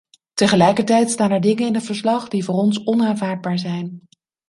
Tegelijkertijd staan er dingen in het verslag die voor ons onaanvaardbaar zijn.